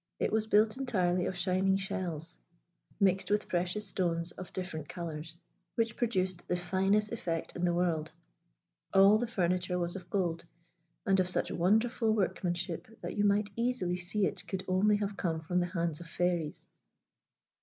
It was built entirely of shining shells, mixed with precious stones of different colours, which produced the finest effect in the world; all the furniture was of gold, and of such wonderful workmanship that you might easily see it could only have come from the hands of Fairies.